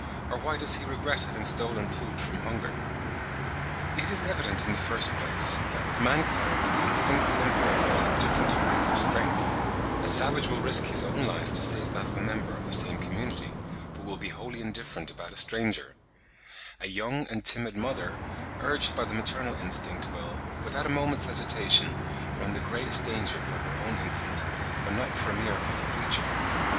or why does he regret having stolen food from hunger? It is evident in the first place, that with mankind the instinctive impulses have different degrees of strength; a savage will risk his own life to save that of a member of the same community, but will be wholly indifferent about a stranger: a young and timid mother urged by the maternal instinct will, without a moment's hesitation, run the greatest danger for her own infant, but not for a mere fellow creature.